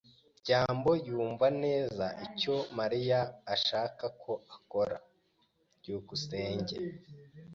byambo yumva neza icyo Mariya ashaka ko akora. byukusenge